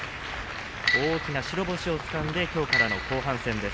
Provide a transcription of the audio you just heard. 大きな白星をつかんできょうからの後半戦です。